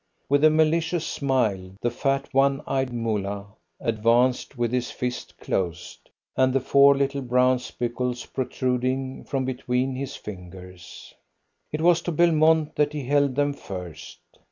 With a malicious smile, the fat, one eyed Moolah advanced with his fist closed, and the four little brown spicules protruding from between his fingers. It was to Belmont that he held them first.